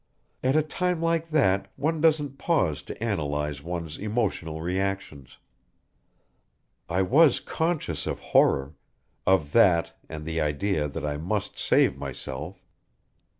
At a time like that one doesn't pause to analyze one's emotional reactions. I was conscious of horror of that and the idea that I must save myself.